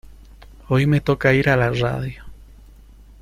Hoy me toca ir a la radio